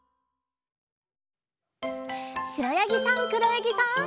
しろやぎさんくろやぎさん。